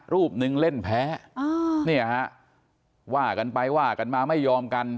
รูปหนึ่งเล่นแพ้เนี่ยฮะว่ากันไปว่ากันมาไม่ยอมกัน